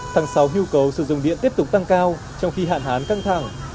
tháng sáu nhu cầu sử dụng điện tiếp tục tăng cao trong khi hạn hán căng thẳng